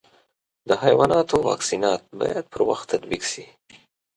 د حیواناتو واکسینات باید پر وخت تطبیق شي.